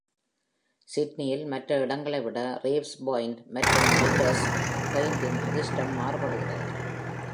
சிட்னியில் மற்ற இடங்களை விட டேவ்ஸ் பாயிண்ட் மற்றும் மில்லர்ஸ் பாயிண்டின் அதிர்ஷ்டம் மாறுபடுகிறது.